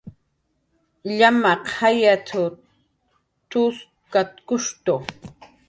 "Llamaq jayat""w t""uskatkushtu"